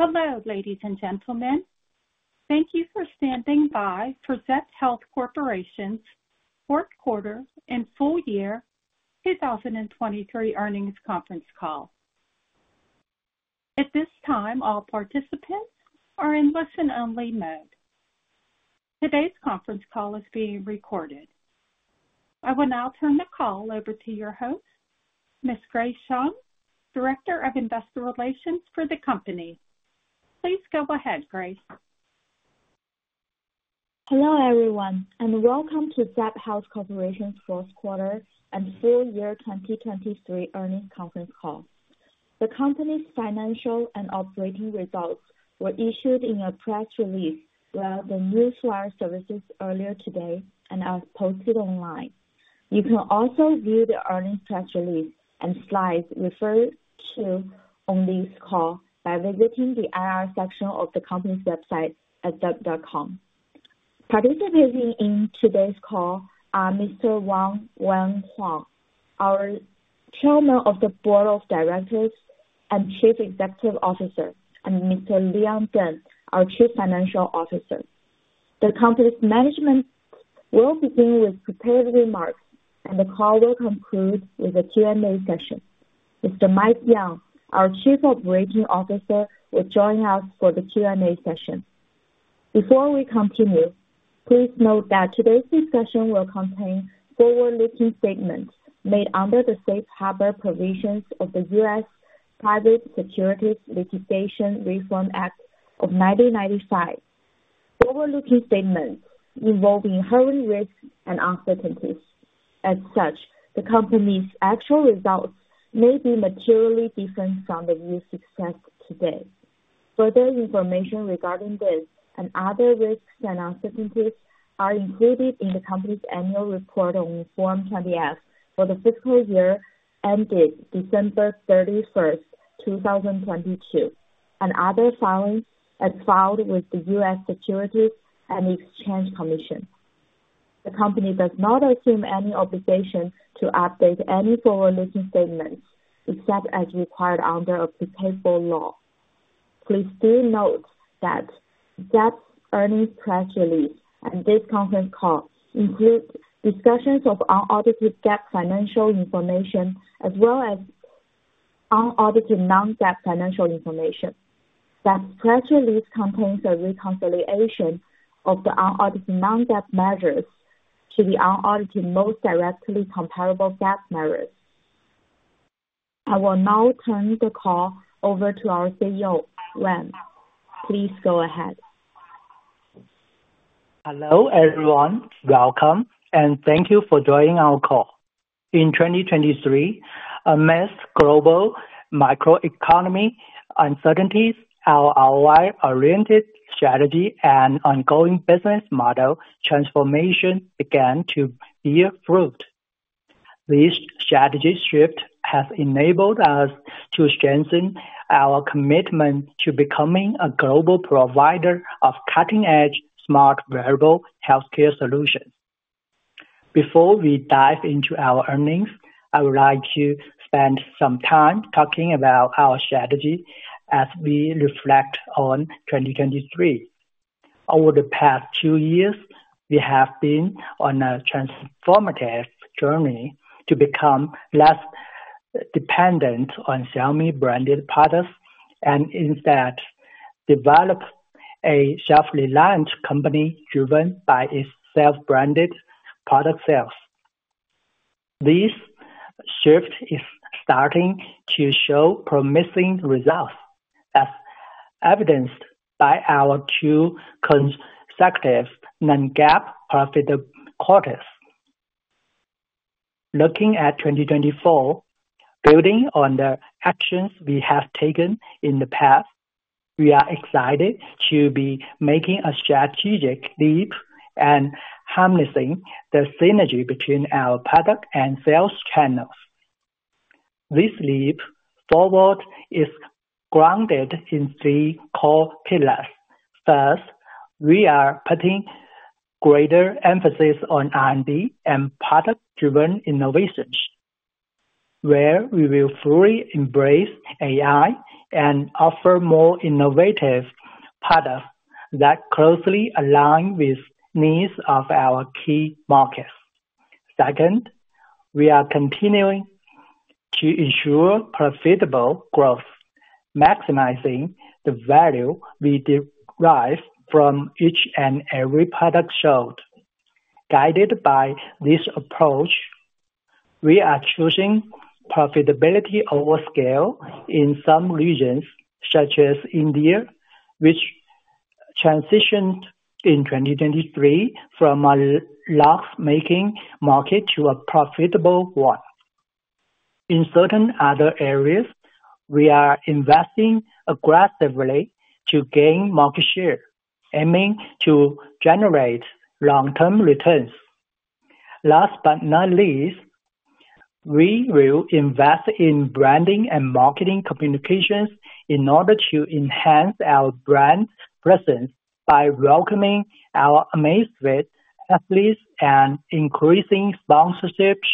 Hello, ladies and gentlemen. Thank you for standing by for Zepp Health Corporation's fourth quarter and full year 2023 earnings conference call. At this time, all participants are in listen-only mode. Today's conference call is being recorded. I will now turn the call over to your host, Ms. Grace Zhang, Director of Investor Relations for the company. Please go ahead, Grace. Hello, everyone, and welcome to Zepp Health Corporation's fourth quarter and full year 2023 earnings conference call. The company's financial and operating results were issued in a press release via the Newswire services earlier today and are posted online. You can also view the earnings press release and slides referred to on this call by visiting the IR section of the company's website at zepp.com. Participating in today's call are Mr. Wang Huang, our Chairman of the Board of Directors and Chief Executive Officer, and Mr. Leon Deng, our Chief Financial Officer. The company's management will begin with prepared remarks, and the call will conclude with a Q&A session. Mr. Mike Yeung, our Chief Operating Officer, will join us for the Q&A session. Before we continue, please note that today's discussion will contain forward-looking statements made under the Safe Harbor provisions of the U.S. Private Securities Litigation Reform Act of 1995. Forward-looking statements involving inherent risks and uncertainties. As such, the company's actual results may be materially different from the views expressed today. Further information regarding this and other risks and uncertainties are included in the company's annual report on Form 20-F for the fiscal year ending December 31st, 2022, and other filings as filed with the U.S. Securities and Exchange Commission. The company does not assume any obligation to update any forward-looking statements, except as required under applicable law. Please do note that Zepp's earnings press release and this conference call include discussions of unaudited GAAP financial information, as well as unaudited non-GAAP financial information. That press release contains a reconciliation of the unaudited non-GAAP measures to the unaudited, most directly comparable GAAP measures. I will now turn the call over to our CEO, Wang. Please go ahead. Hello, everyone. Welcome, and thank you for joining our call. In 2023, amidst global macroeconomic uncertainties, our ROI-oriented strategy and ongoing business model transformation began to bear fruit. This strategy shift has enabled us to strengthen our commitment to becoming a global provider of cutting-edge, smart, wearable healthcare solutions. Before we dive into our earnings, I would like to spend some time talking about our strategy as we reflect on 2023. Over the past two years, we have been on a transformative journey to become less dependent on Xiaomi branded products, and instead, develop a self-reliant company driven by its self-branded product sales. This shift is starting to show promising results, as evidenced by our two consecutive non-GAAP profitable quarters. Looking at 2024, building on the actions we have taken in the past, we are excited to be making a strategic leap and harnessing the synergy between our product and sales channels. This leap forward is grounded in three core pillars. First, we are putting greater emphasis on R&D and product-driven innovations, where we will fully embrace AI and offer more innovative products that closely align with needs of our key markets. Second, we are continuing to ensure profitable growth, maximizing the value we derive from each and every product sold. Guided by this approach, we are choosing profitability over scale in some regions, such as India, which transitioned in 2023 from a loss-making market to a profitable one. In certain other areas, we are investing aggressively to gain market share, aiming to generate long-term returns. Last but not least, we will invest in branding and marketing communications in order to enhance our brand presence by welcoming our Amazfit athletes and increasing sponsorships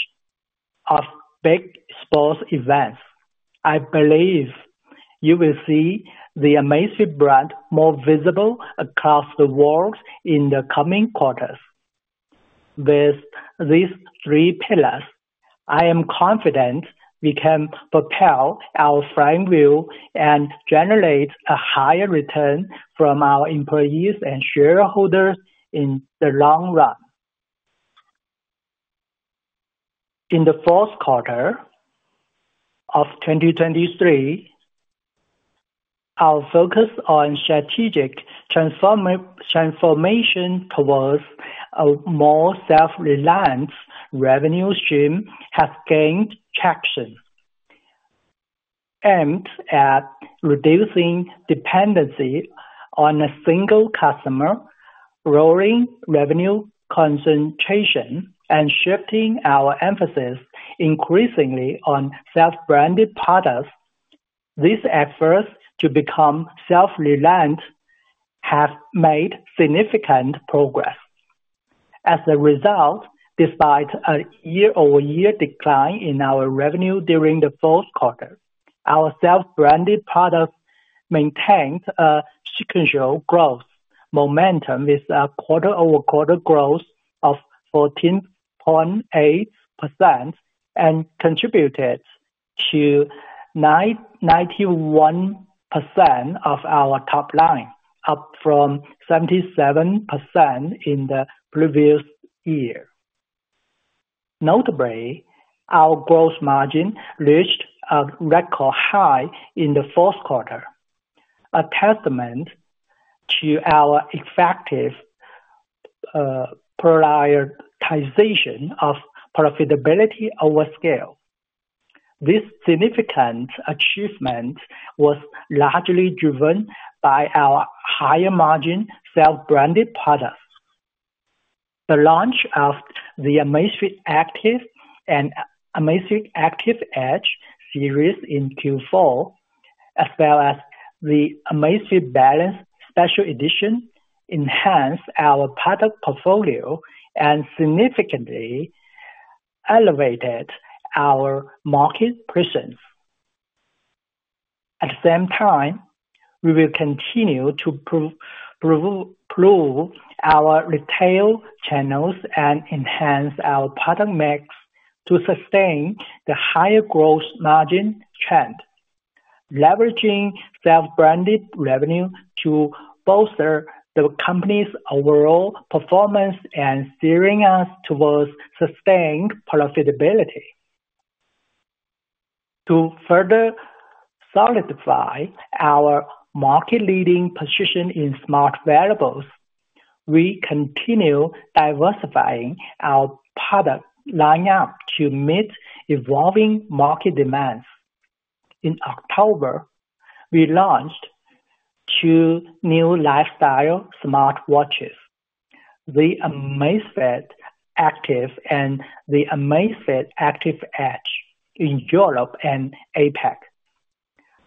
of big sports events. I believe you will see the Amazfit brand more visible across the world in the coming quarters. With these three pillars, I am confident we can propel our firm value and generate a higher return from our employees and shareholders in the long run. In the fourth quarter of 2023, our focus on strategic transformation towards a more self-reliant revenue stream has gained traction. Aimed at reducing dependency on a single customer, growing revenue concentration, and shifting our emphasis increasingly on self-branded products, these efforts to become self-reliant have made significant progress. As a result, despite a year-over-year decline in our revenue during the fourth quarter, our self-branded products maintained sequential growth momentum, with a quarter-over-quarter growth of 14.8%, and contributed to 91% of our top line, up from 77% in the previous year. Notably, our gross margin reached a record high in the fourth quarter, a testament to our effective prioritization of profitability over scale. This significant achievement was largely driven by our higher margin self-branded products. The launch of the Amazfit Active and Amazfit Active Edge series in Q4, as well as the Amazfit Balance Special Edition, enhanced our product portfolio and significantly elevated our market presence. At the same time, we will continue to prove our retail channels and enhance our product mix to sustain the higher gross margin trend. Leveraging self-branded revenue to bolster the company's overall performance and steering us towards sustained profitability. To further solidify our market-leading position in smart wearables, we continue diversifying our product lineup to meet evolving market demands. In October, we launched two new lifestyle smartwatches, the Amazfit Active and the Amazfit Active Edge, in Europe and APAC.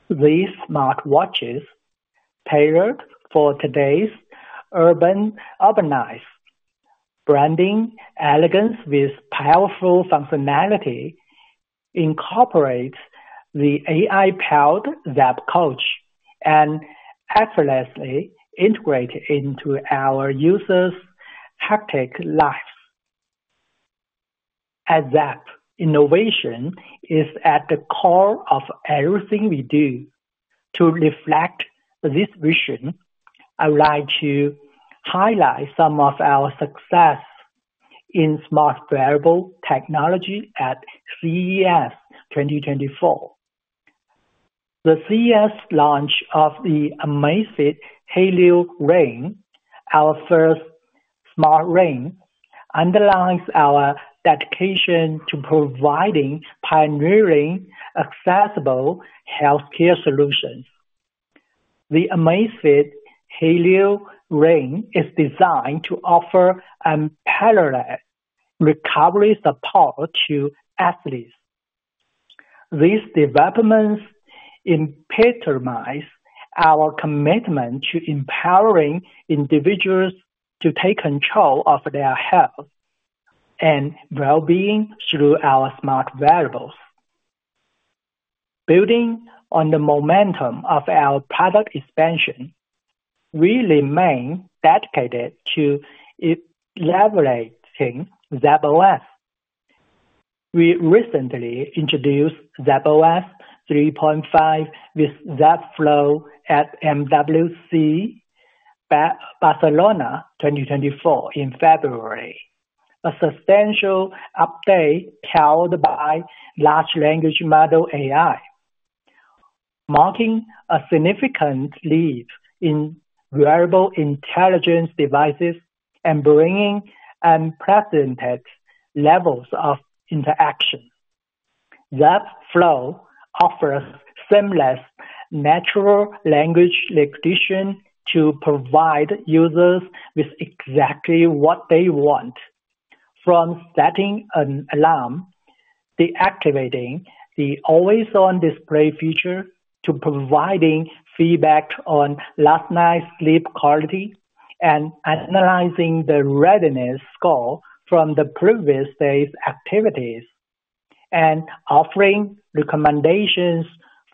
These smartwatches, tailored for today's urban, urbanites, branding elegance with powerful functionality, incorporates the AI-powered Zepp Coach, and effortlessly integrate into our users' hectic life. As that innovation is at the core of everything we do, to reflect this vision, I would like to highlight some of our success in smart wearable technology at CES 2024. The CES launch of the Amazfit Helio Ring, our first smart ring, underlines our dedication to providing pioneering, accessible healthcare solutions. The Amazfit Helio Ring is designed to offer unparalleled recovery support to athletes. These developments epitomize our commitment to empowering individuals to take control of their health and well-being through our smart wearables. Building on the momentum of our product expansion, we remain dedicated to elevating Zepp OS. We recently introduced Zepp OS 3.5 with Zepp Flow at MWC Barcelona 2024 in February, a substantial update powered by large language model AI, marking a significant leap in wearable intelligence devices and bringing unprecedented levels of interaction. Zepp Flow offers seamless natural language recognition to provide users with exactly what they want, from setting an alarm, deactivating the always-on display feature, to providing feedback on last night's sleep quality.... and analyzing the readiness score from the previous day's activities, and offering recommendations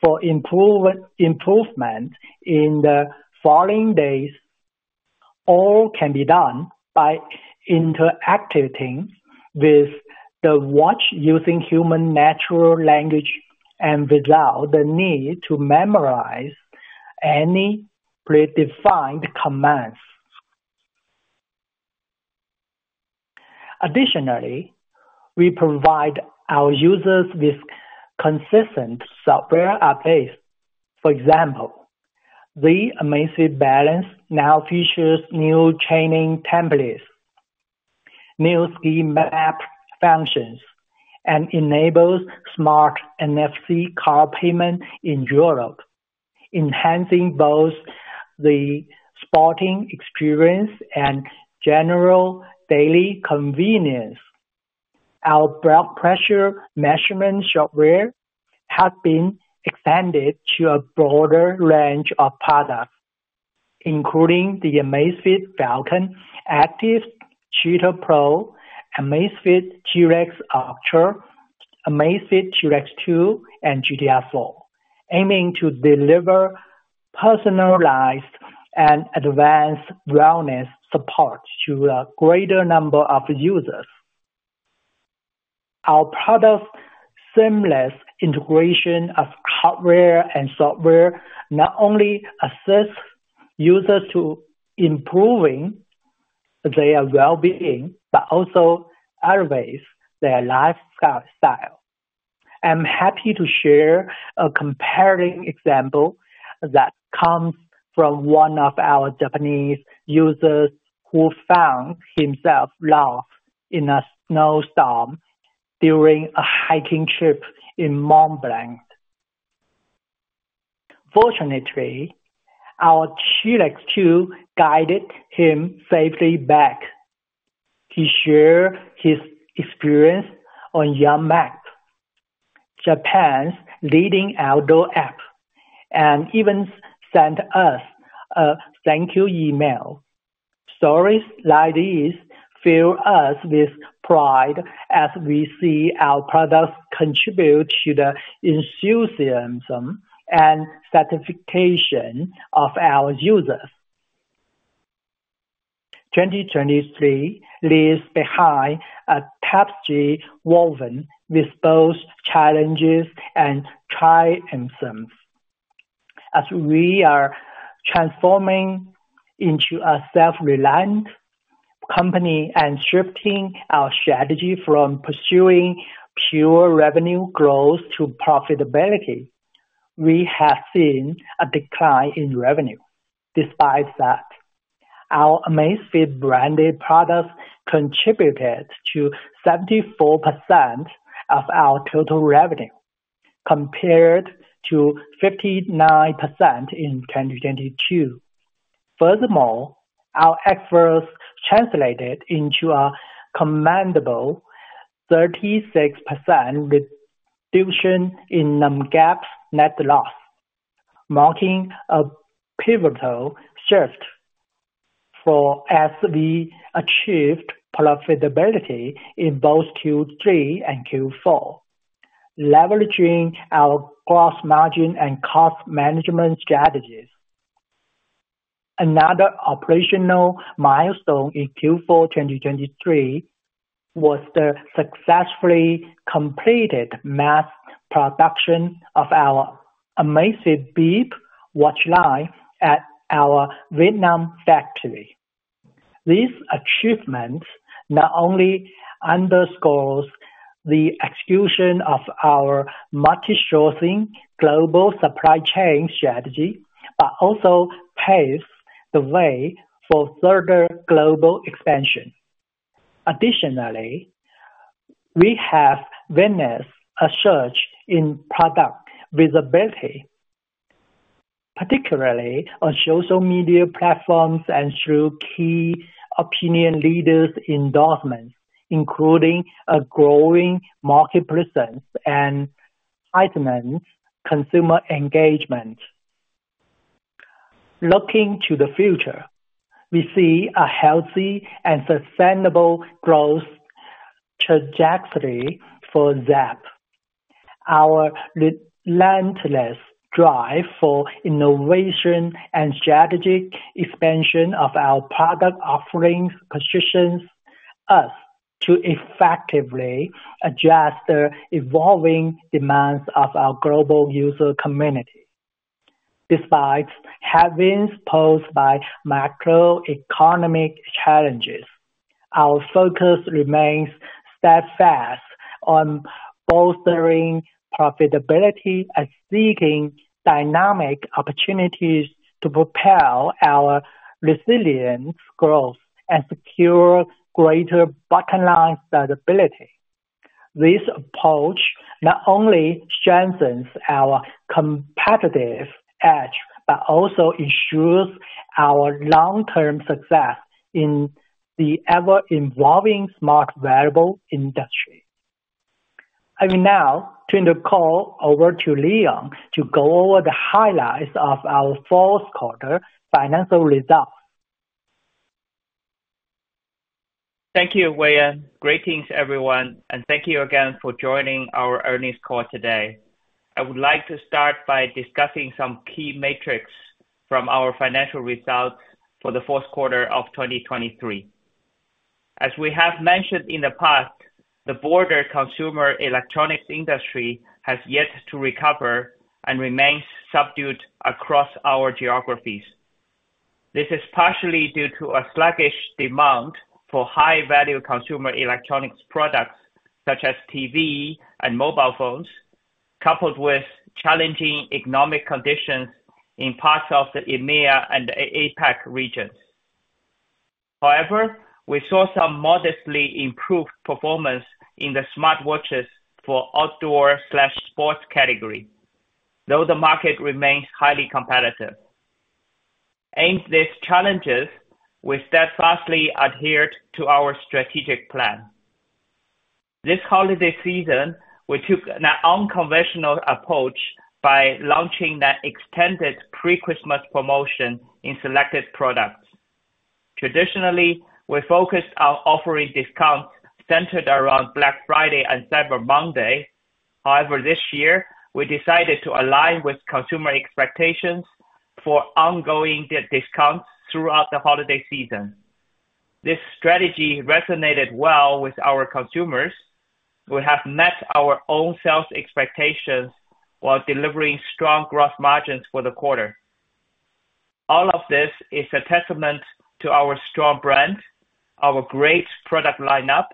for improvement in the following days, all can be done by interacting with the watch, using human natural language and without the need to memorize any predefined commands. Additionally, we provide our users with consistent software updates. For example, the Amazfit Balance now features new training templates, new ski map functions, and enables smart NFC card payment in Europe, enhancing both the sporting experience and general daily convenience. Our blood pressure measurement software has been expanded to a broader range of products, including the Amazfit Falcon, Active, Cheetah Pro, Amazfit T-Rex Ultra, Amazfit T-Rex 2, and GTR 4, aiming to deliver personalized and advanced wellness support to a greater number of users. Our product's seamless integration of hardware and software not only assists users to improving their wellbeing, but also elevates their lifestyle. I'm happy to share a comparing example that comes from one of our Japanese users, who found himself lost in a snowstorm during a hiking trip in Mont Blanc. Fortunately, our T-Rex 2 guided him safely back. He shared his experience on YAMAP, Japan's leading outdoor app, and even sent us a thank you email. Stories like these fill us with pride as we see our products contribute to the enthusiasm and satisfaction of our users. 2023 leaves behind a tapestry woven with both challenges and triumphs. As we are transforming into a self-reliant company and shifting our strategy from pursuing pure revenue growth to profitability, we have seen a decline in revenue. Despite that, our Amazfit branded products contributed to 74% of our total revenue, compared to 59% in 2022. Furthermore, our efforts translated into a commendable 36% reduction in non-GAAP net loss, marking a pivotal shift, for as we achieved profitability in both Q3 and Q4, leveraging our gross margin and cost management strategies. Another operational milestone in Q4 2023 was the successfully completed mass production of our Amazfit Bip watch line at our Vietnam factory. This achievement not only underscores the execution of our multi-sourcing global supply chain strategy, but also paves the way for further global expansion. Additionally, we have witnessed a surge in product visibility, particularly on social media platforms and through key opinion leaders' endorsements, including a growing market presence and heightened consumer engagement. Looking to the future, we see a healthy and sustainable growth trajectory for Zepp. Our relentless drive for innovation and strategic expansion of our product offerings, positions us to effectively address the evolving demands of our global user community. Despite headwinds posed by macroeconomic challenges, our focus remains steadfast on bolstering profitability and seeking dynamic opportunities to propel our resilient growth and secure greater bottom line sustainability. This approach not only strengthens our competitive edge, but also ensures our long-term success in the ever-evolving smart wearable industry.... I will now turn the call over to Leon to go over the highlights of our fourth quarter financial results. Thank you, Wang. Greetings, everyone, and thank you again for joining our earnings call today. I would like to start by discussing some key metrics from our financial results for the fourth quarter of 2023. As we have mentioned in the past, the broader consumer electronics industry has yet to recover and remains subdued across our geographies. This is partially due to a sluggish demand for high-value consumer electronics products, such as TV and mobile phones, coupled with challenging economic conditions in parts of the EMEA and the APAC regions. However, we saw some modestly improved performance in the smartwatches for outdoor/sports category, though the market remains highly competitive. Amidst these challenges, we steadfastly adhered to our strategic plan. This holiday season, we took an unconventional approach by launching the extended pre-Christmas promotion in selected products. Traditionally, we focused on offering discounts centered around Black Friday and Cyber Monday. However, this year, we decided to align with consumer expectations for ongoing discounts throughout the holiday season. This strategy resonated well with our consumers, who have met our own sales expectations while delivering strong gross margins for the quarter. All of this is a testament to our strong brand, our great product lineup,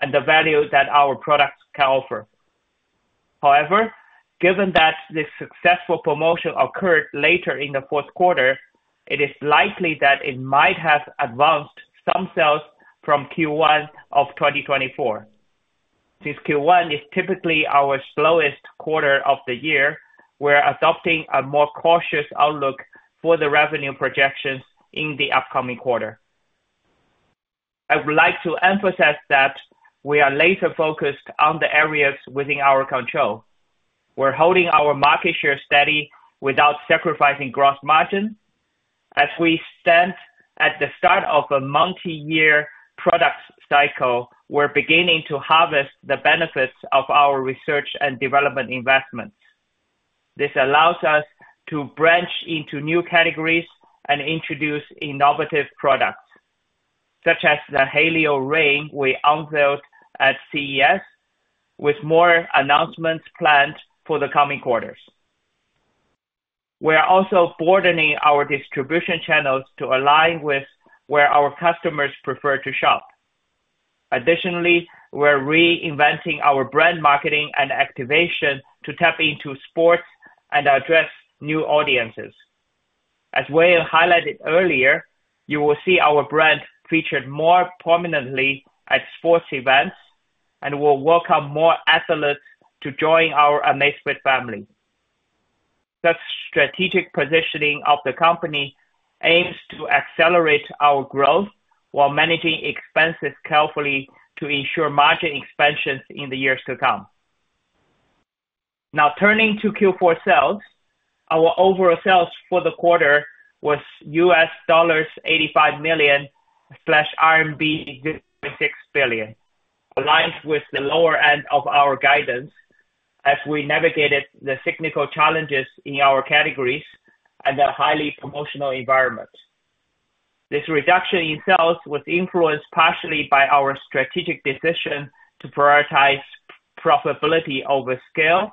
and the value that our products can offer. However, given that this successful promotion occurred later in the fourth quarter, it is likely that it might have advanced some sales from Q1 of 2024. Since Q1 is typically our slowest quarter of the year, we're adopting a more cautious outlook for the revenue projections in the upcoming quarter. I would like to emphasize that we are laser focused on the areas within our control. We're holding our market share steady without sacrificing gross margin. As we stand at the start of a multi-year product cycle, we're beginning to harvest the benefits of our research and development investments. This allows us to branch into new categories and introduce innovative products, such as the Helio Ring we unveiled at CES, with more announcements planned for the coming quarters. We are also broadening our distribution channels to align with where our customers prefer to shop. Additionally, we're reinventing our brand marketing and activation to tap into sports and address new audiences. As Wang highlighted earlier, you will see our brand featured more prominently at sports events, and we'll welcome more athletes to join our Amazfit family. The strategic positioning of the company aims to accelerate our growth while managing expenses carefully to ensure margin expansions in the years to come. Now, turning to Q4 sales. Our overall sales for the quarter was $85 million/RMB 6 billion, aligns with the lower end of our guidance as we navigated the cyclical challenges in our categories and a highly promotional environment. This reduction in sales was influenced partially by our strategic decision to prioritize profitability over scale,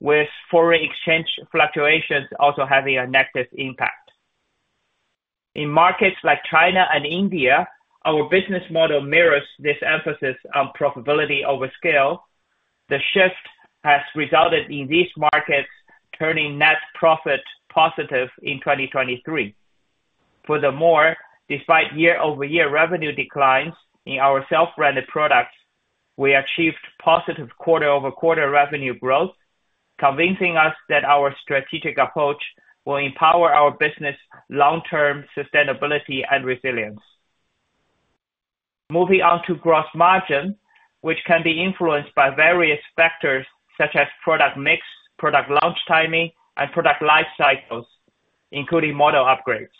with foreign exchange fluctuations also having a negative impact. In markets like China and India, our business model mirrors this emphasis on profitability over scale. The shift has resulted in these markets turning net profit positive in 2023. Furthermore, despite year-over-year revenue declines in our self-branded products, we achieved positive quarter-over-quarter revenue growth, convincing us that our strategic approach will empower our business' long-term sustainability and resilience. Moving on to Gross Margin, which can be influenced by various factors such as product mix, product launch timing, and product life cycles, including model upgrades.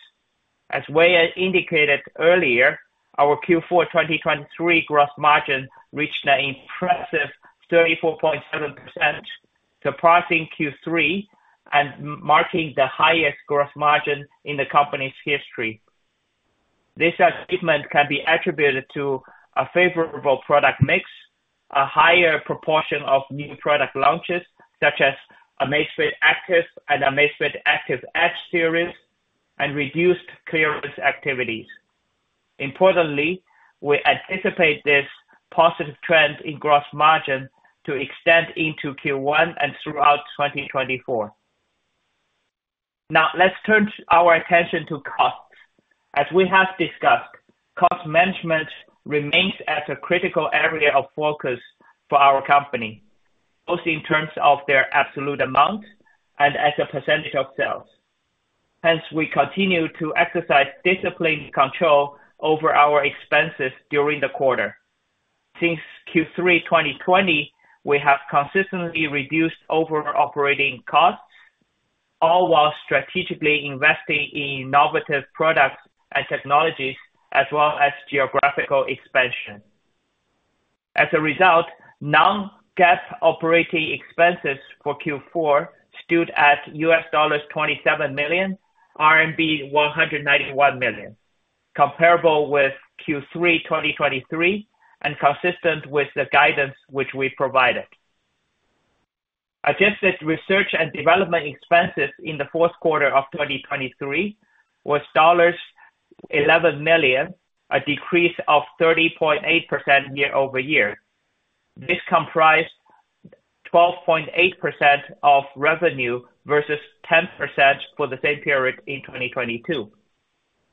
As Wang indicated earlier, our Q4 2023 gross margin reached an impressive 34.7%, surpassing Q3 and marking the highest gross margin in the company's history. This achievement can be attributed to a favorable product mix, a higher proportion of new product launches, such as Amazfit Active and Amazfit Active Edge series, and reduced clearance activities. Importantly, we anticipate this positive trend in gross margin to extend into Q1 and throughout 2024. Now, let's turn our attention to costs. As we have discussed, cost management remains as a critical area of focus for our company, both in terms of their absolute amount and as a percentage of sales. Hence, we continue to exercise disciplined control over our expenses during the quarter. Since Q3 2020, we have consistently reduced our operating costs, all while strategically investing in innovative products and technologies, as well as geographical expansion. As a result, non-GAAP operating expenses for Q4 stood at $27 million, RMB 191 million, comparable with Q3 2023, and consistent with the guidance which we provided. Adjusted research and development expenses in the fourth quarter of 2023 was $11 million, a decrease of 30.8% year-over-year. This comprised 12.8% of revenue versus 10% for the same period in 2022.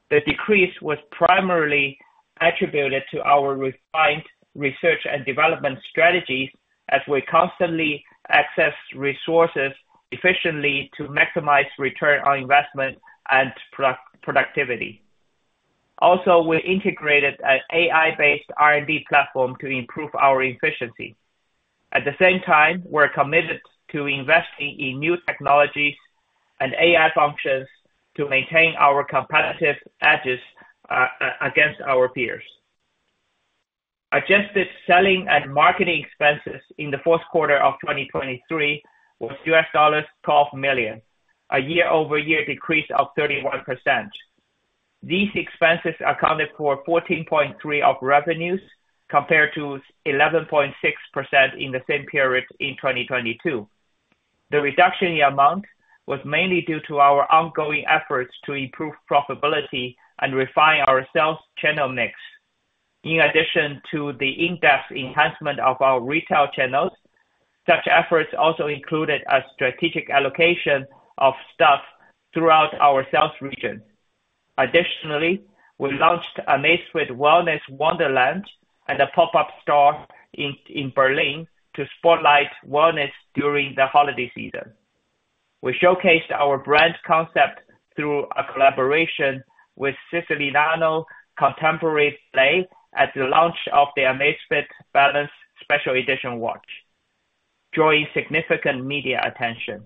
The decrease was primarily attributed to our refined research and development strategies, as we constantly access resources efficiently to maximize return on investment and product productivity. Also, we integrated an AI-based R&D platform to improve our efficiency. At the same time, we're committed to investing in new technologies and AI functions to maintain our competitive edges against our peers. Adjusted selling and marketing expenses in the fourth quarter of 2023 was $12 million, a year-over-year decrease of 31%. These expenses accounted for 14.3% of revenues, compared to 11.6% in the same period in 2022. The reduction in amount was mainly due to our ongoing efforts to improve profitability and refine our sales channel mix. In addition to the in-depth enhancement of our retail channels, such efforts also included a strategic allocation of staff throughout our sales region. Additionally, we launched Amazfit Wellness Wonderland and a pop-up store in Berlin to spotlight wellness during the holiday season. We showcased our brand concept through a collaboration with Cecilie Bahnsen Contemporary Play at the launch of the Amazfit Balance special edition watch, drawing significant media attention.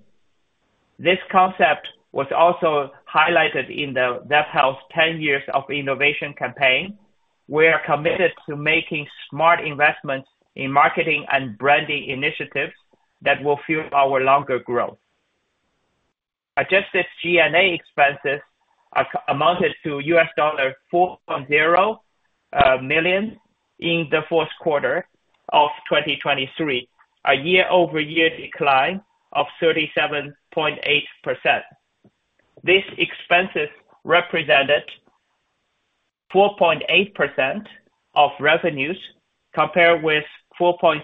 This concept was also highlighted in the Zepp Health Ten Years of Innovation campaign. We are committed to making smart investments in marketing and branding initiatives that will fuel our longer growth. Adjusted G&A expenses amounted to $4.0 million in the fourth quarter of 2023, a year-over-year decline of 37.8%. These expenses represented 4.8% of revenues, compared with 4.3%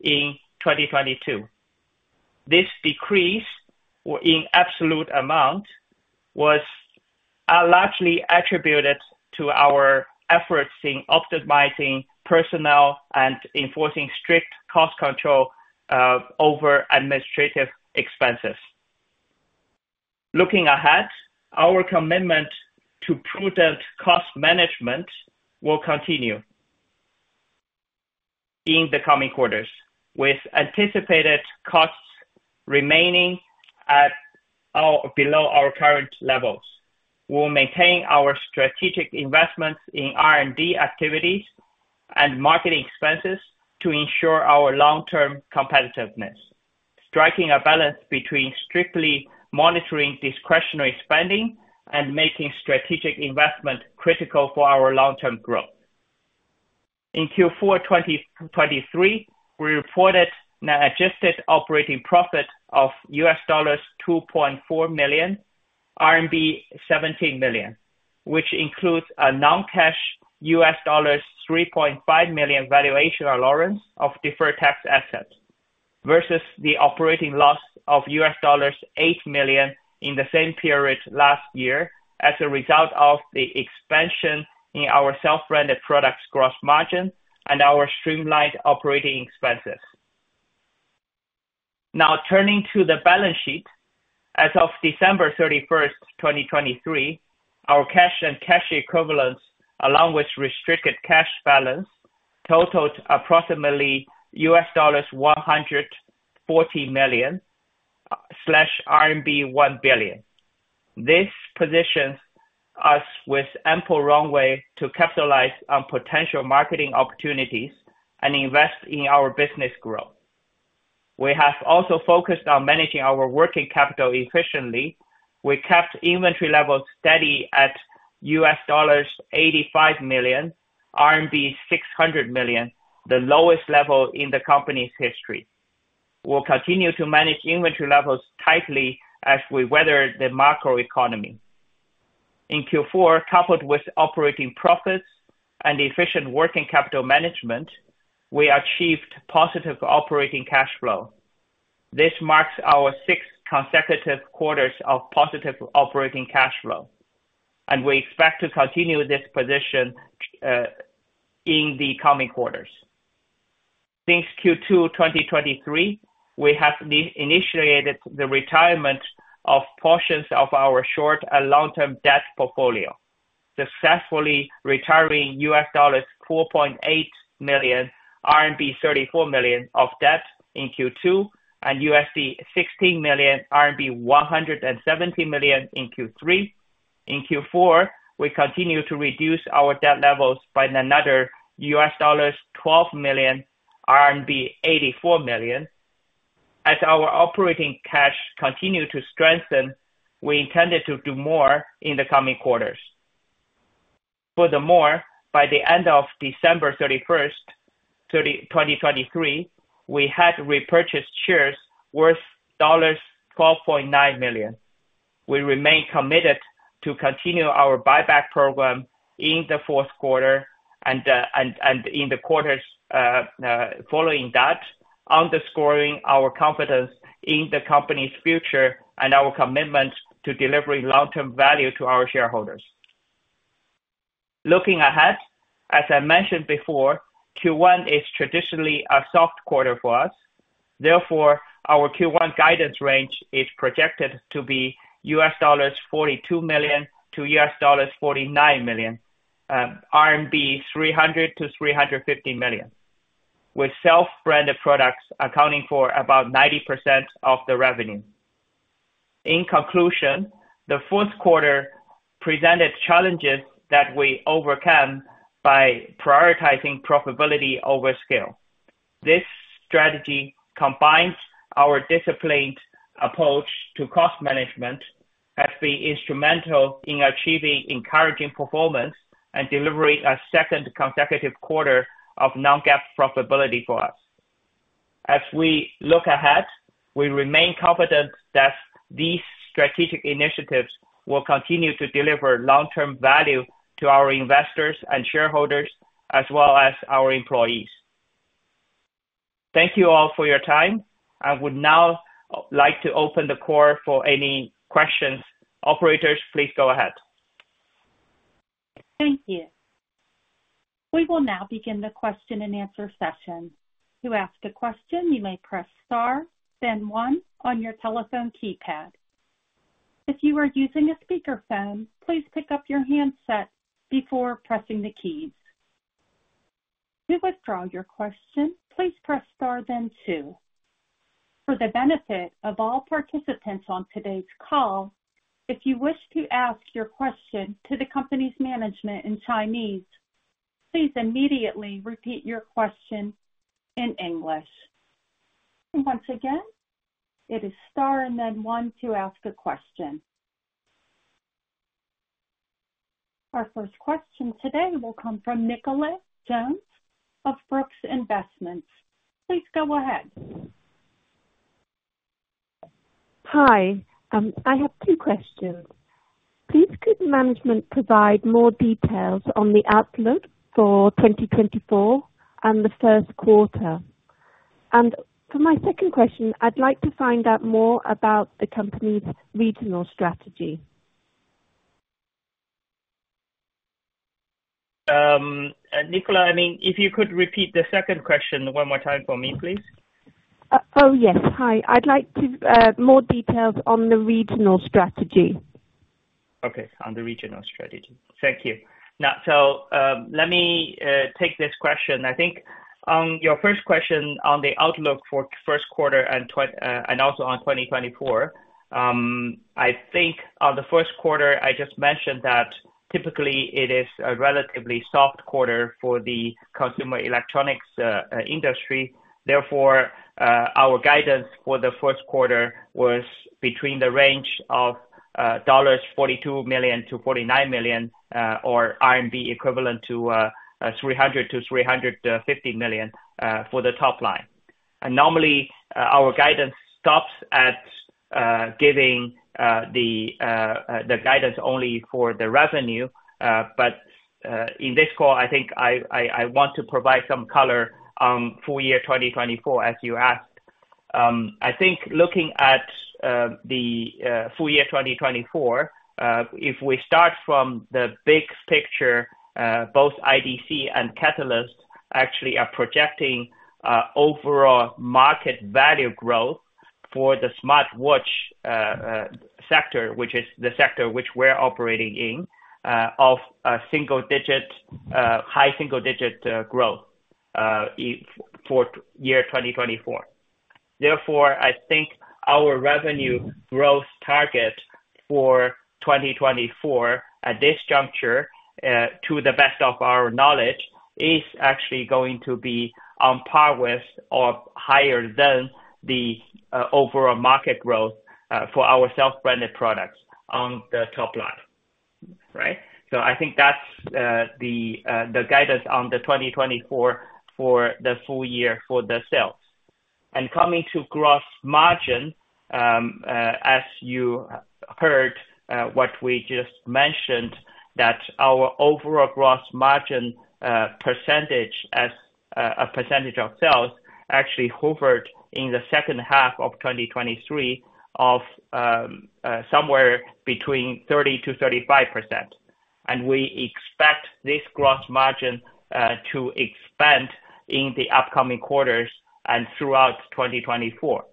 in 2022. This decrease, in absolute amount, was largely attributed to our efforts in optimizing personnel and enforcing strict cost control over administrative expenses. Looking ahead, our commitment to prudent cost management will continue in the coming quarters, with anticipated costs remaining at or below our current levels. We'll maintain our strategic investments in R&D activities and marketing expenses to ensure our long-term competitiveness, striking a balance between strictly monitoring discretionary spending and making strategic investment critical for our long-term growth. In Q4 2023, we reported an adjusted operating profit of $2.4 million, RMB 17 million, which includes a non-cash $3.5 million valuation allowance of deferred tax assets, versus the operating loss of $8 million in the same period last year, as a result of the expansion in our self-branded products gross margin and our streamlined operating expenses. Now, turning to the balance sheet. As of December 31st, 2023, our cash and cash equivalents, along with restricted cash balance, totaled approximately $140 million/RMB 1 billion. This positions us with ample runway to capitalize on potential marketing opportunities and invest in our business growth. We have also focused on managing our working capital efficiently. We kept inventory levels steady at $85 million, RMB 600 million, the lowest level in the company's history. We'll continue to manage inventory levels tightly as we weather the macroeconomy. In Q4, coupled with operating profits and efficient working capital management, we achieved positive operating cash flow. This marks our sixth consecutive quarters of positive operating cash flow, and we expect to continue this position in the coming quarters. Since Q2 2023, we have initiated the retirement of portions of our short and long-term debt portfolio, successfully retiring $4.8 million, RMB 34 million of debt in Q2, and $16 million, RMB 170 million in Q3. In Q4, we continue to reduce our debt levels by another $12 million, RMB 84 million. As our operating cash continue to strengthen, we intended to do more in the coming quarters. Furthermore, by the end of December 31st, 2023, we had repurchased shares worth $12.9 million. We remain committed to continue our buyback program in the fourth quarter and in the quarters following that, underscoring our confidence in the company's future and our commitment to delivering long-term value to our shareholders. Looking ahead, as I mentioned before, Q1 is traditionally a soft quarter for us. Therefore, our Q1 guidance range is projected to be $42 million to $49 million, RMB 300 million to 350 million, with self-branded products accounting for about 90% of the revenue. In conclusion, the fourth quarter presented challenges that we overcame by prioritizing profitability over scale. This strategy combines our disciplined approach to cost management, has been instrumental in achieving encouraging performance, and delivering a second consecutive quarter of non-GAAP profitability for us. As we look ahead, we remain confident that these strategic initiatives will continue to deliver long-term value to our investors and shareholders, as well as our employees. Thank you all for your time. I would now like to open the call for any questions. Operators, please go ahead. Thank you. We will now begin the question and answer session. To ask a question, you may press star, then one on your telephone keypad. If you are using a speakerphone, please pick up your handset before pressing the keys. To withdraw your question, please press star, then two. For the benefit of all participants on today's call, if you wish to ask your question to the company's management in Chinese, please immediately repeat your question in English. Once again, it is star and then one to ask a question. Our first question today will come from Nicola Jones of Brooks Investments. Please go ahead. Hi, I have two questions. Please, could management provide more details on the outlook for 2024 and the first quarter? For my second question, I'd like to find out more about the company's regional strategy. Nicola, I mean, if you could repeat the second question one more time for me, please. Oh, yes. Hi, I'd like to more details on the regional strategy. Okay. On the regional strategy. Thank you. Now, so, let me take this question. I think on your first question on the outlook for first quarter and also on 2024. I think on the first quarter, I just mentioned that typically it is a relatively soft quarter for the consumer electronics industry. Therefore, our guidance for the first quarter was between the range of $42 million-$49 million, or RMB equivalent to 300- 350 million, for the top line. And normally, our guidance stops at giving the guidance only for the revenue. But, in this call, I think I want to provide some color on full year 2024, as you asked. I think looking at the full year 2024, if we start from the big picture, both IDC and Canalys actually are projecting overall market value growth for the smartwatch sector, which is the sector which we're operating in, of a single digit, high single digit growth for year 2024. Therefore, I think our revenue growth target for 2024 at this juncture, to the best of our knowledge, is actually going to be on par with or higher than the overall market growth for our self-branded products on the top line. Right? So I think that's the guidance on the 2024 for the full year for the sales. Coming to gross margin, as you heard, what we just mentioned, that our overall gross margin, percentage as a percentage of sales, actually hovered in the second half of 2023, somewhere between 30%-35%. And we expect this gross margin to expand in the upcoming quarters and throughout 2024.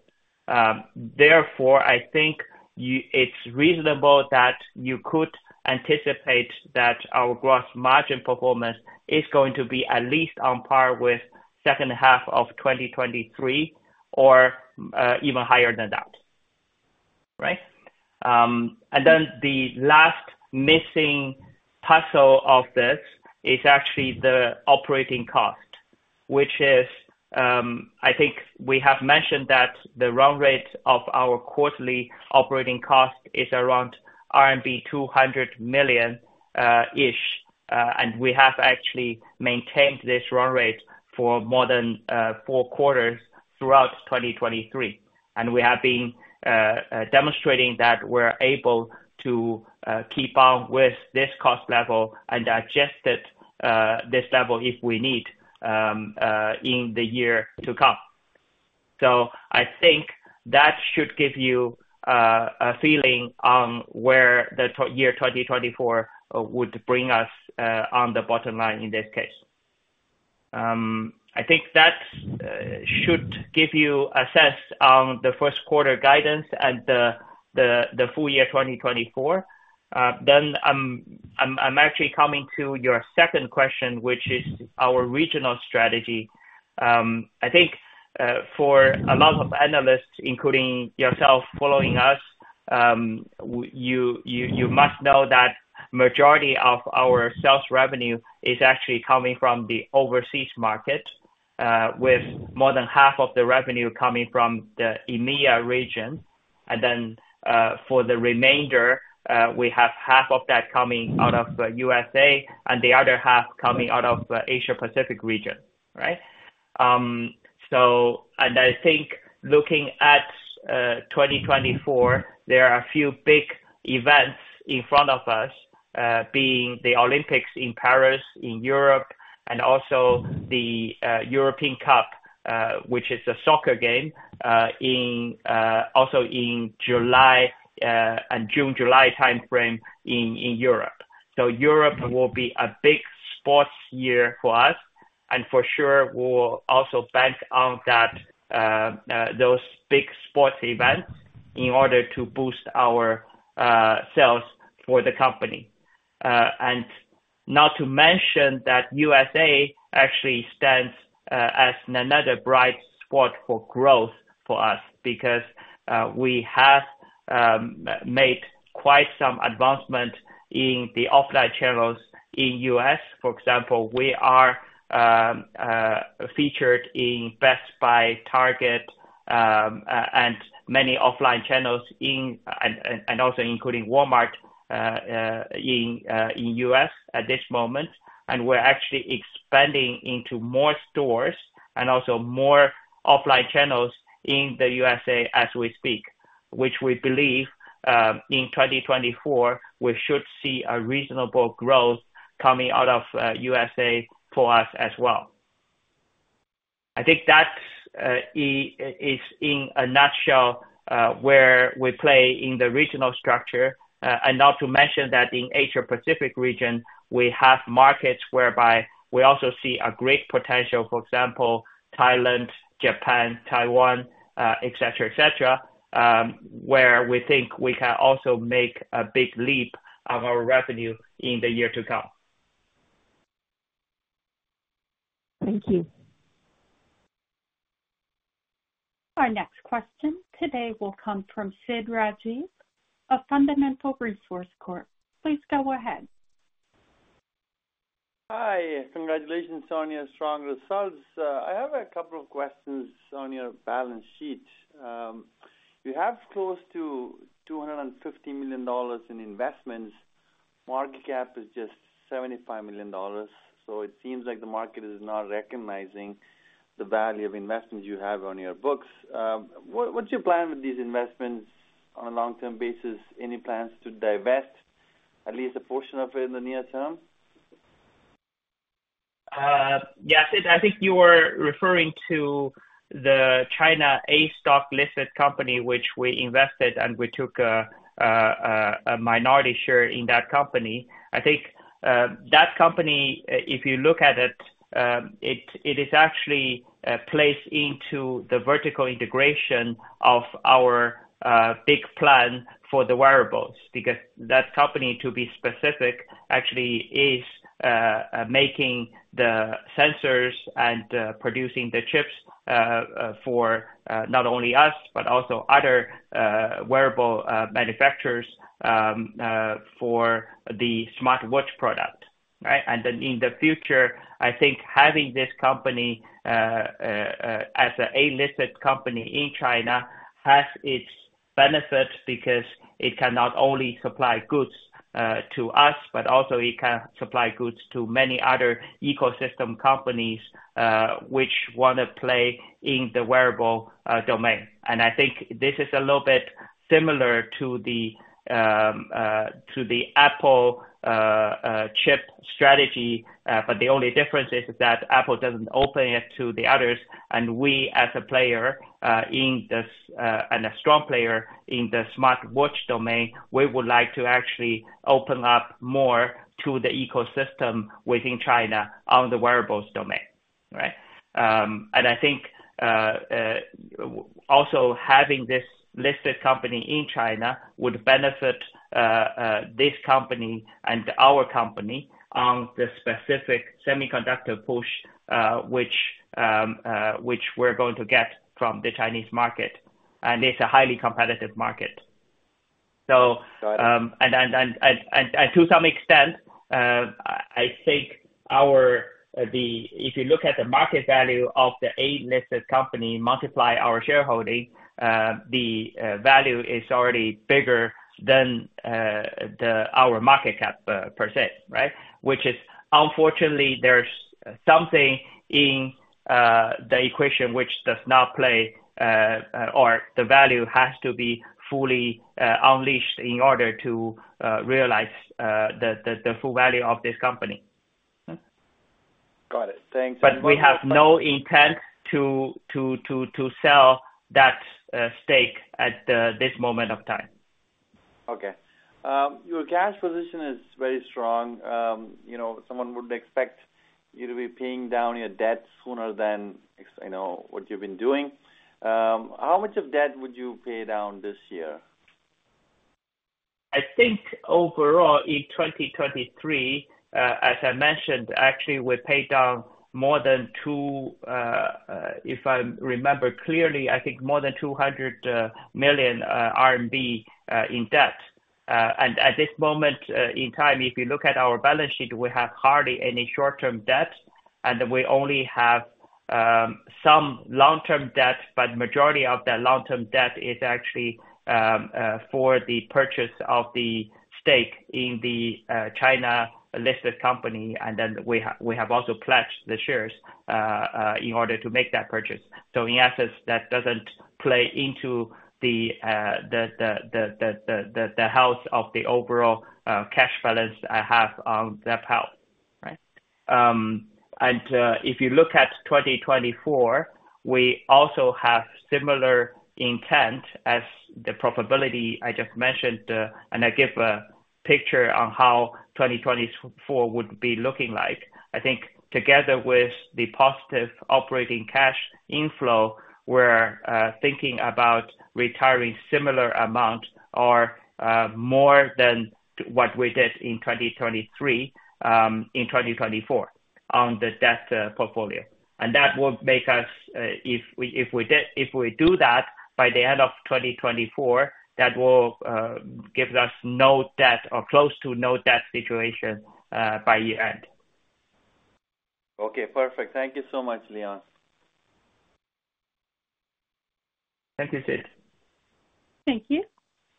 Therefore, I think you, it's reasonable that you could anticipate that our gross margin performance is going to be at least on par with second half of 2023, or even higher than that, right? And then the last missing puzzle of this is actually the operating cost, which is, I think we have mentioned that the run rate of our quarterly operating cost is around RMB 200 million, ish. We have actually maintained this run rate for more than four quarters throughout 2023. We have been demonstrating that we're able to keep on with this cost level and adjust it this level if we need in the year to come. So I think that should give you a feeling on where the FY 2024 would bring us on the bottom line in this case. I think that should give you a sense on the first quarter guidance and the full year 2024. Then, I'm actually coming to your second question, which is our regional strategy. I think, for a lot of analysts, including yourself, following us, you must know that majority of our sales revenue is actually coming from the overseas market, with more than half of the revenue coming from the EMEA region. And then, for the remainder, we have half of that coming out of the USA and the other half coming out of Asia Pacific region, right? So, I think looking at 2024, there are a few big events in front of us, being the Olympics in Paris, in Europe, and also the European Cup, which is a soccer game, also in the June-July timeframe in Europe. So Europe will be a big sports year for us, and for sure, we'll also bank on that, those big sports events in order to boost our sales for the company. And not to mention that USA actually stands as another bright spot for growth for us, because we have made quite some advancement in the offline channels in U.S. For example, we are featured in Best Buy, Target, and many offline channels and also including Walmart in U.S. at this moment. And we're actually expanding into more stores and also more offline channels in the USA as we speak, which we believe in 2024, we should see a reasonable growth coming out of USA for us as well. I think that is in a nutshell where we play in the regional structure. And not to mention that in Asia Pacific region, we have markets whereby we also see a great potential, for example, Thailand, Japan, Taiwan, et cetera, et cetera, where we think we can also make a big leap of our revenue in the year to come. Thank you. Our next question today will come from Siddharth Rajeev of Fundamental Research Corp. Please go ahead. Hi, congratulations on your strong results. I have a couple of questions on your balance sheet. You have close to $250 million in investments. Market cap is just $75 million, so it seems like the market is not recognizing the value of investments you have on your books. What, what's your plan with these investments on a long-term basis? Any plans to divest at least a portion of it in the near term? Yes, Sid, I think you were referring to the China A stock-listed company, which we invested, and we took a minority share in that company. I think that company, if you look at it, it is actually placed into the vertical integration of our big plan for the wearables. Because that company, to be specific, actually is making the sensors and producing the chips for not only us, but also other wearable manufacturers for the smartwatch product, right? In the future, I think having this company as a A-share listed company in China has its benefits, because it can not only supply goods to us, but also it can supply goods to many other ecosystem companies which want to play in the wearable domain. I think this is a little bit similar to the Apple chip strategy, but the only difference is that Apple doesn't open it to the others, and we, as a player in the smartwatch domain and a strong player in the smartwatch domain, would like to actually open up more to the ecosystem within China on the wearables domain. Right? And I think also having this listed company in China would benefit this company and our company on the specific semiconductor push, which we're going to get from the Chinese market, and it's a highly competitive market. So, to some extent, I think our—if you look at the market value of the A-listed company, multiply our shareholding, the value is already bigger than the our market cap per se, right? Which is unfortunately, there's something in the equation which does not play, or the value has to be fully unleashed in order to realize the full value of this company. Got it. Thanks. But we have no intent to sell that stake at this moment of time. Okay. Your cash position is very strong. You know, someone would expect you to be paying down your debt sooner than, you know, what you've been doing. How much of debt would you pay down this year? I think overall, in 2023, as I mentioned, actually, we paid down more than 200 million RMB in debt. And at this moment in time, if you look at our balance sheet, we have hardly any short-term debt, and we only have some long-term debt, but majority of that long-term debt is actually for the purchase of the stake in the China-listed company, and then we have also pledged the shares in order to make that purchase. So in essence, that doesn't play into the health of the overall cash balance I have on Zepp Health, right? If you look at 2024, we also have similar intent as the profitability I just mentioned, and I give a picture on how 2024 would be looking like. I think together with the positive operating cash inflow, we're thinking about retiring similar amount or more than what we did in 2023, in 2024 on the debt portfolio. And that will make us, if we, if we did, if we do that, by the end of 2024, that will give us no debt or close to no debt situation by year-end. Okay, perfect. Thank you so much, Leon. Thank you, Sid. Thank you.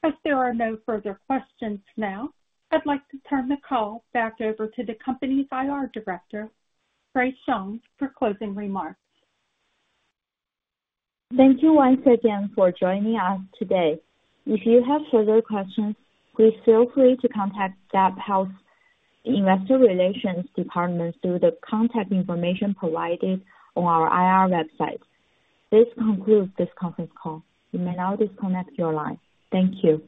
As there are no further questions now, I'd like to turn the call back over to the company's IR director, Grace Zhang, for closing remarks. Thank you once again for joining us today. If you have further questions, please feel free to contact Zepp Health Investor Relations Department through the contact information provided on our IR website. This concludes this conference call. You may now disconnect your line. Thank you.